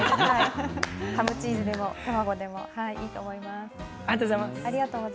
ハムチーズでも卵でもいいと思います。